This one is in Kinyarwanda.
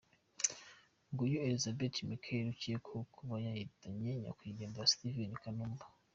Nguyu Elizabeth Michael ukekwaho kuba yahitanye nyakwigendera Steven Kanumba.